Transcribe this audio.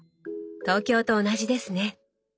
東京と同じですね。